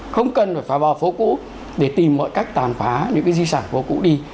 không cần phải phá vào phố cũ để tìm mọi cách tàn phá những cái di sản của cũ đi